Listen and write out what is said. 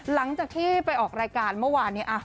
หลังจากที่ไปออกรายการเมื่อวานนี้